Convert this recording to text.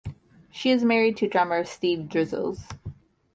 She is married to drummer Steve Drizos.